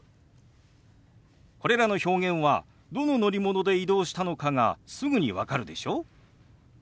これらの表現はどの乗り物で移動したのかがすぐに分かるでしょ？